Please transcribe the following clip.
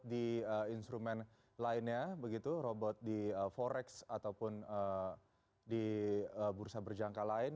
di instrumen lainnya begitu robot di forex ataupun di bursa berjangka lain